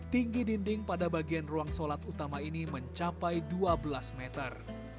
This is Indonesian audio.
tinggi dinding pada bagian ruang sholat utama ini mencapai dua belas meter